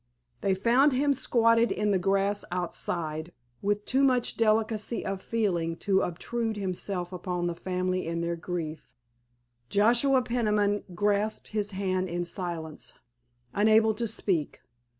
They found him squatted in the grass outside, with too much delicacy of feeling to obtrude himself upon the family in their grief. Joshua Peniman grasped his hand in silence, unable to speak.